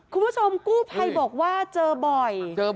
คุณผู้ชมกู้ภัยบอกว่าเจอบ่อย